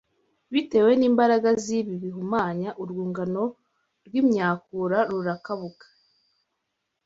Bitewe n’imbaraga z’ibi bihumanya, urwungano rw’imyakura rurakabuka,